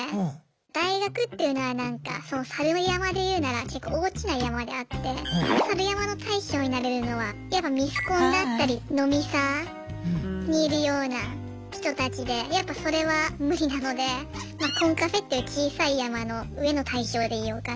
大学っていうのはサル山でいうなら結構大きな山であってサル山の大将になれるのはやっぱミスコンだったり飲みサーにいるような人たちでやっぱそれは無理なのでまあコンカフェっていう小さい山の上の大将でいようかなって。